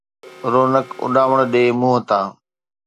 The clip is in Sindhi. رونق اُڏامڻ ڏي منهن تان،